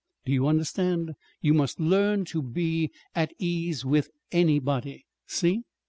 Do you understand? You must learn to be at ease with anybody. See?"